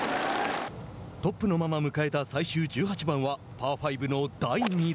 トップのまま迎えた最終１８番はパー５の第２打。